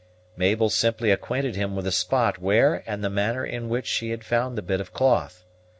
Mabel simply acquainted him with the spot where and the manner in which she had found the bit of cloth.